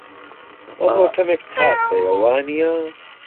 ئەمڕۆ کەمێک تات هەیە، وانییە؟